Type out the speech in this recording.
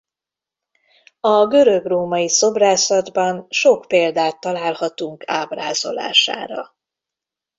A görög-római szobrászatban sok példát találhatunk ábrázolására.